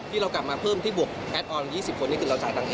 เรากลับมาเพิ่มที่บวกแอดออน๒๐คนนี่คือเราจ่ายต่างประเทศ